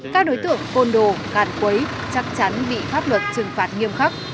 các đối tượng côn đồ gạt quấy chắc chắn bị pháp luật trừng phạt nghiêm khắc